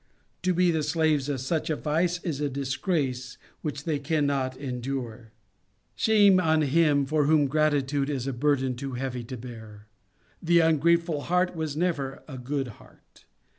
To be the slaves of such a vice is a dis grace which they cannot endure. Shame on him for whom gratitude is a burden too heavy to bear; the ungrateful heart was never a good heart.